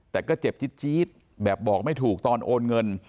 แต่ก็เจ็บจี๊ดแบบบอกไม่ถูกตอนโอนเงิน